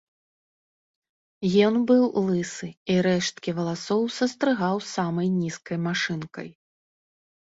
Ён быў лысы, і рэшткі валасоў састрыгаў самай нізкай машынкай.